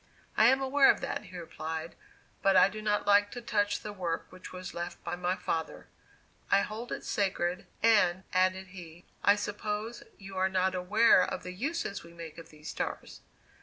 "I am aware of that," he replied; "but I do not like to touch the work which was left by my father. I hold it sacred; and," added he, "I suppose you are not aware of the uses we make of these stars?"